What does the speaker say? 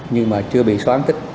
nhưng mà chưa bị xóa án tích